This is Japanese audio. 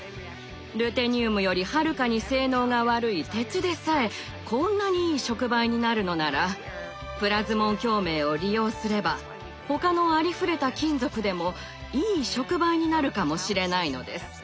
ルテニウムよりはるかに性能が悪い鉄でさえこんなにいい触媒になるのならプラズモン共鳴を利用すれば他のありふれた金属でもいい触媒になるかもしれないのです。